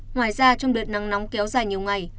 ngoài ra trong đợt nắng nóng kéo dài nhiều ngày